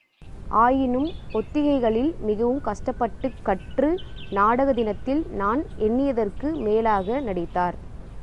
ஆயினும், ஒத்திகைகளில் மிகவும் கஷ்டப்பட்டுக் கற்று நாடக தினத்தில் நான் எண்ணியதற்கு மேலாக நடித்தார்.